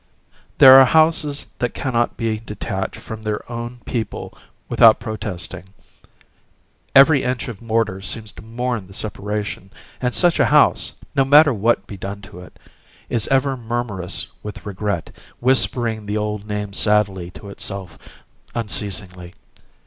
There are houses that cannot be detached from their own people without protesting: every inch of mortar seems to mourn the separation, and such a house no matter what be done to it is ever murmurous with regret, whispering the old name sadly to itself unceasingly.